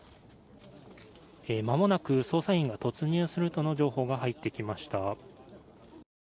間もなく捜査員が突入するとの情報が入ってきました。